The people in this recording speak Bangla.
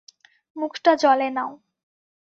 মুখটা জলে নাও।